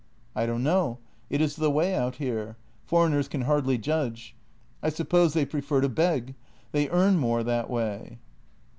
" I don't know. It is the way out here. Foreigners can hardly judge. I suppose they prefer to beg; they earn more that way."